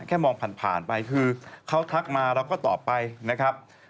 แค่มองผ่านไปคือเขาทักมาเราก็ตอบไปนะครับ